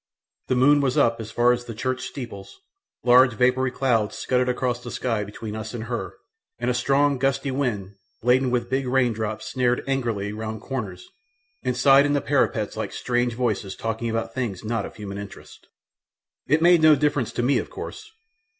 The moon was up as far as the church steeples; large vapoury clouds scudding across the sky between us and her, and a strong, gusty wind, laden with big raindrops snarled angrily round corners and sighed in the parapets like strange voices talking about things not of human interest. It made no difference to me, of course.